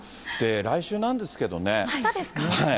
来週なんですけどね。